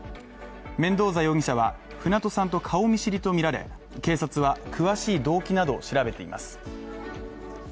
メンドーザ容疑者は船戸さんと顔見知りとみられ、警察は詳しい動機などを調べています。